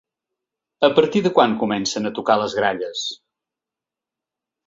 A partir de quan comencen a tocar les gralles?